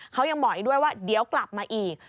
เขายังบอกอีกด้วยว่าเดี๋ยวกลับมาอีก